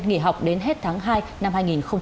nghỉ học đến hết tháng hai năm hai nghìn hai mươi